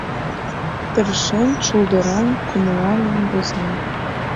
Тыршен, шулдыраҥ, кумылаҥын возем.